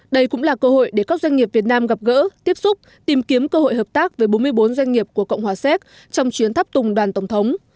đây cũng là cơ hội để các doanh nghiệp việt nam gặp gỡ tiếp xúc tìm kiếm cơ hội hợp tác với bốn mươi bốn doanh nghiệp của cộng hòa séc trong chuyến tháp tùng đoàn tổng thống